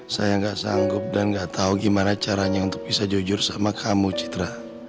saya gak sanggup dan gak tau gimana caranya untuk bisa jujur sama kamu citra